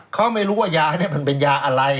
เขาไม่รู้ว่ายานี้มันเป็นยาอะไร